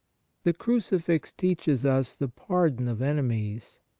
The Crucifix teaches us the pardon of enemies.